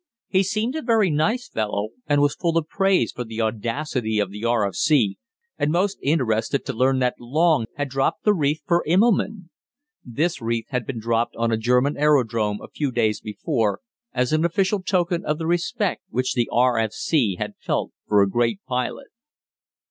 He seemed a very nice fellow, and was full of praise for the audacity of the R.F.C. and most interested to learn that Long had dropped the wreath for Immelmann. This wreath had been dropped on a German aerodrome a few days before, as an official token of the respect which the R.F.C. had felt for a great pilot.